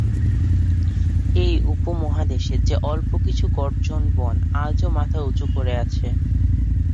এই উপমহাদেশে যে অল্প কিছু গর্জন বন আজও মাথা উঁচু করে আছে।